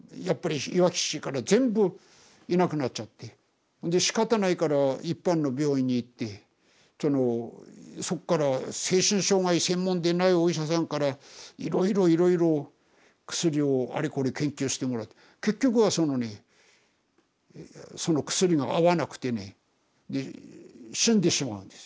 やっぱりいわき市から全部いなくなっちゃってでしかたないから一般の病院に行ってそのそっから精神障害専門でないお医者さんからいろいろいろいろ薬をあれこれ研究してもらって結局はそのねその薬が合わなくてねで死んでしまうんですよ。